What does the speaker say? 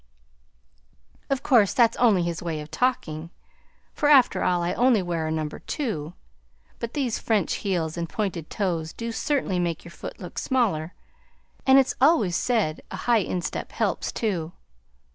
Of course that's only his way of talking, for after all I only wear a number two, but these French heels and pointed toes do certainly make your foot look smaller, and it's always said a high instep helps, too.